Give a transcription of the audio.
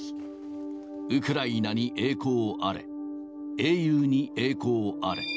ウクライナに栄光あれ、英雄に栄光あれ。